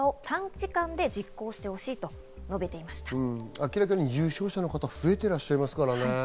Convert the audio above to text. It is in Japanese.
明らかに重症者の方が増えていらっしゃいますからね。